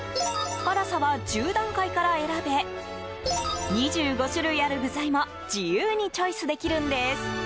辛さは１０段階から選べ２５種類ある具材も自由にチョイスできるんです。